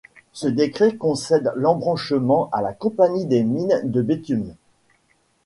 Ce décret concède l'embranchement à la Compagnie des mines de Béthune.